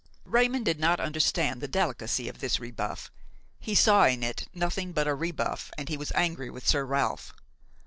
Raymon did not understand the delicacy of this rebuff; he saw in it nothing but a rebuff and he was angry with Sir Ralph.